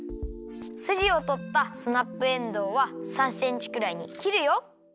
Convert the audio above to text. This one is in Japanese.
スジをとったスナップエンドウは３センチくらいにきるよ。